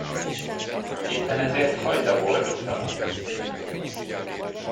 Éppen ezért hagyd a boldogtalant!